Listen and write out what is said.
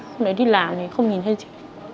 không thể đi làm thì không nhìn thấy gì